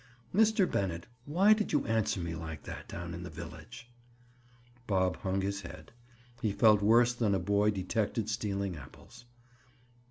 "Mr. Bennett, why did you answer me like that down in the village?" Bob hung his head. He felt worse than a boy detected stealing apples.